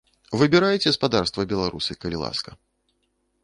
Выбірайце, спадарства беларусы, калі ласка.